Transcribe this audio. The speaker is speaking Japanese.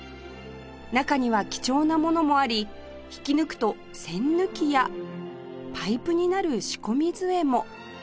中には貴重なものもあり引き抜くと栓抜きやパイプになる仕込み杖も